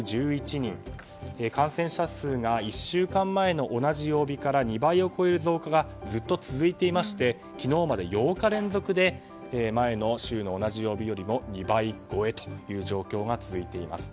感染者数が１週間前の同じ曜日から２倍を超える増加がずっと続いていまして昨日まで８日連続で前の週の同じ曜日よりも２倍超えという状況が続いています。